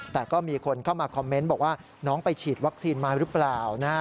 แต่ก็มีคนเข้ามาคอมเมนต์บอกว่าน้องไปฉีดวัคซีนมาหรือเปล่า